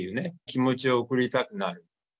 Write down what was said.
気持ちを送りたくなる。